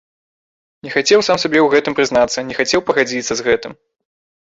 Не хацеў сам сабе ў гэтым прызнацца, не хацеў пагадзіцца з гэтым.